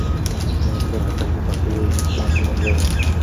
ملکیار هوتک د پښتو یو رښتینی خدمتګار و.